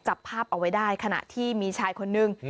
จับภาพเอาไว้ได้ขณะที่มีชายคนนึง